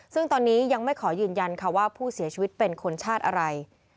ซึ่งตอนนี้ยังไม่ขอยืนยันค่ะว่าผู้เสียชีวิตเป็นคนชาติอะไร